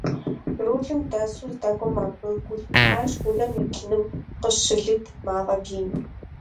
Рулым дэсу здэкӀуэм абы гу лъитащ унэм и блыным къыщылыд мафӀэ бзийм.